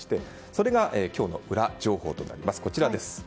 それが今日のウラ情報となります。